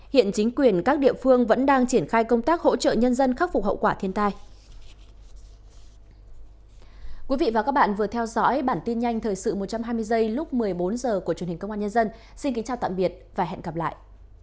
hiện chính quyền các địa phương vẫn đang triển khai công tác hỗ trợ nhân dân khắc phục hậu quả thiên tai